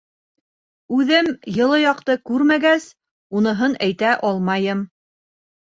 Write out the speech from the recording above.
— Үҙем йылы яҡты күрмәгәс, уныһын әйтә алмайым.